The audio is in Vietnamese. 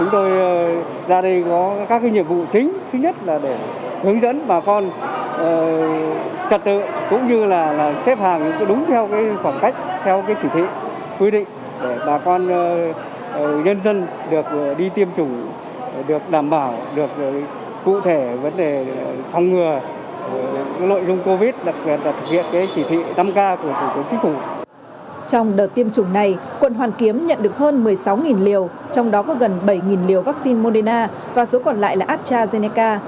trong đợt tiêm chủng này quận hoàn kiếm nhận được hơn một mươi sáu liều trong đó có gần bảy liều vaccine moderna và số còn lại là astrazeneca